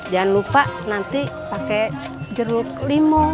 jangan lupa nanti pakai jeruk limau